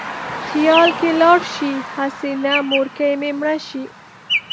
خیال کې لاړ شې: هسې نه مورکۍ مې مړه شي